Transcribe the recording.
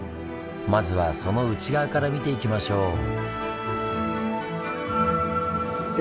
まずはその内側から見ていきましょう。